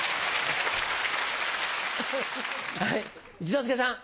はい一之輔さん。